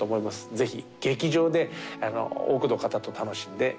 ぜひ劇場で多くの方と楽しんでください。